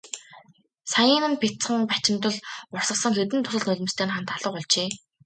Саяын нь бяцхан бачимдал урсгасан хэдэн дусал нулимстай нь хамт алга болжээ.